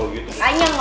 nggak usah nyolot gitu